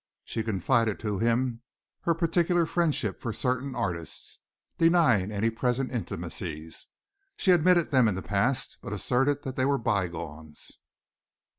She confided to him her particular friendship for certain artists, denying any present intimacies. She admitted them in the past, but asserted that they were bygones.